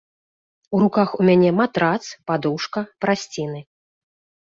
У руках у мяне матрац, падушка, прасціны.